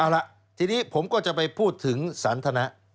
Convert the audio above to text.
เอาล่ะทีนี้ผมก็จะไปพูดถึงสันทนะ